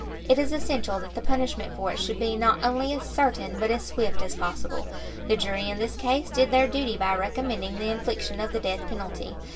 It is essential that the punishment for it should be not only as certain but as swift as possible. The jury in this case did their duty by recommending the infliction of the death penalty.